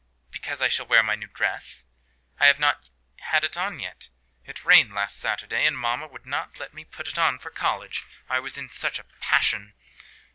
"Because I shall wear my new dress. I have not had it on yet. It rained last Sunday, and mamma would not let me put it on for college. I was in such a passion."